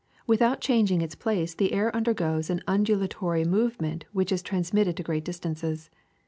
Without changing its place the air undergoes an undulatory movement which is transmitted to great distances.